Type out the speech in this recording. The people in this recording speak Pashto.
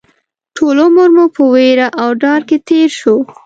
ټول عمر مو په وېره او ډار کې تېر شو